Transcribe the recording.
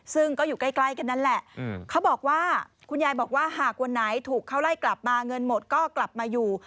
ซึ่งก็อยู่ใกล้กันนั่นแหละเขาบอกว่าคุณยายบอกว่าหากวันไหนถูกเขาไล่กลับมาเงินหมดก็กลับมาอยู่